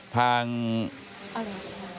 ภาค